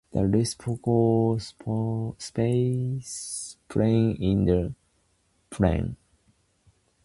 This reciprocal space plane is the "Bragg plane".